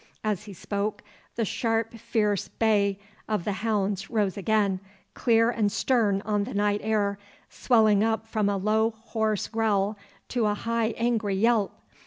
As he spoke, the sharp fierce bay of the hounds rose again, clear and stern on the night air, swelling up from a low hoarse growl to a high angry yelp.